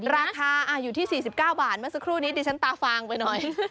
ราคาอยู่ที่๔๙บาทเมื่อสักครู่นี้ดิฉันตาฟางไปหน่อย